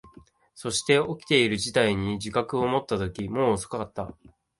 そして、起きている事態に自覚を持ったとき、もう遅かった。